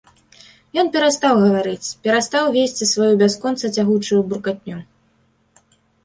Ён перастаў гаварыць, перастаў весці сваю бясконца цягучую буркатню.